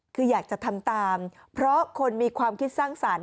คืออยากจะทำตามเพราะคนมีความคิดสร้างสรรค